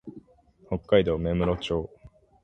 北海道芽室町